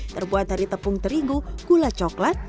terbuat dari tepung terigu gula coklat